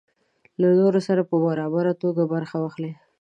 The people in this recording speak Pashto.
له نورو سره په برابره توګه برخه واخلي.